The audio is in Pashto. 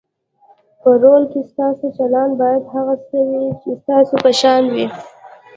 په رول کې ستاسو چلند باید هغه څه وي چې ستاسو په شان وي.